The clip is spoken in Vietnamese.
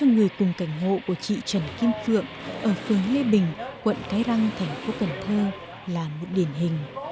đỡ cho người cùng cảnh hộ của chị trần kim phượng ở phường lê bình quận cái răng tp cần thơ là một điển hình